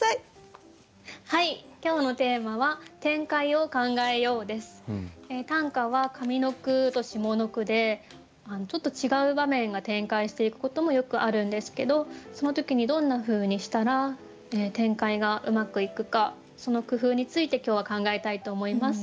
今日のテーマは短歌は上の句と下の句でちょっと違う場面が展開していくこともよくあるんですけどその時にどんなふうにしたら展開がうまくいくかその工夫について今日は考えたいと思います。